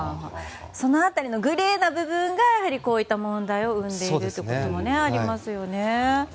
その辺りのグレーな部分がこういった問題を生んでいるということもありますよね。